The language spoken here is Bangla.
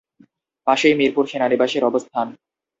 পাশেই মিরপুর সেনানিবাসের অবস্থান।